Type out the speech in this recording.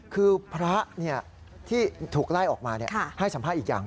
คือพระที่ถูกไล่ออกมาให้สัมภาษณ์อีกอย่าง